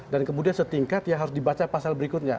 dan kemudian setingkat yang harus dibaca pasal berikutnya